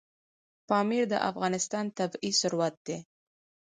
پامیر د افغانستان طبعي ثروت دی.